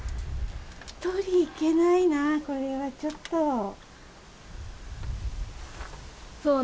取り行けないな、これはちょっと。